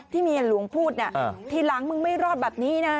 ที่เมียหลวงพูดเนี้ยอ่าทีหลังมึงไม่รอดแบบนี้น่ะ